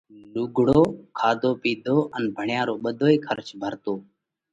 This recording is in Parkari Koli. لُوگھڙو، کاڌو پِيڌو ان ڀڻيا رو ٻڌوئي کرچو ڀرتو۔